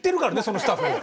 そのスタッフ。